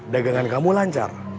dagangan kamu lancar